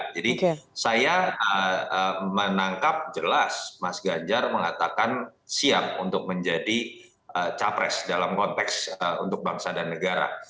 jadi saya menangkap jelas mas ganjar mengatakan siap untuk menjadi capres dalam konteks untuk bangsa dan negara